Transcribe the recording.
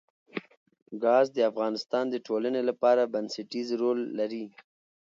ګاز د افغانستان د ټولنې لپاره بنسټيز رول لري.